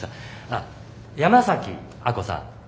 あっ山崎亜子さん。